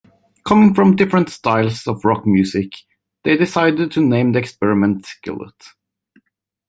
Coming from different styles of rock music, they decided to name the experiment Skillet.